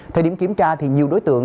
thời điểm kiểm tra thì nhiều đối tượng